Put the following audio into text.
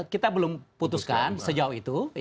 kita belum putuskan sejauh itu